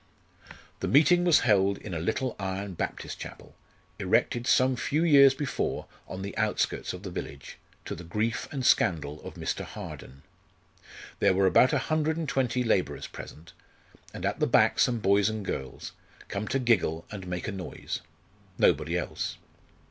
The meeting was held in a little iron Baptist chapel, erected some few years before on the outskirts of the village, to the grief and scandal of Mr. Harden. There were about a hundred and twenty labourers present, and at the back some boys and girls, come to giggle and make a noise nobody else.